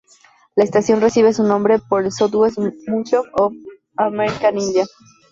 La estación recibe su nombre por el Southwest Museum of the American Indian.